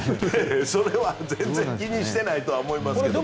それは全然気にしてないとは思いますけど。